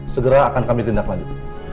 segera akan kami tindak lanjut